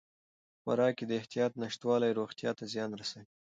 په خوراک کې د احتیاط نشتوالی روغتیا ته زیان رسوي.